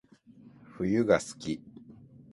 冬が好き